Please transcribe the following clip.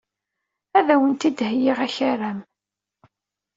Ad awent-d-heyyiɣ akaram.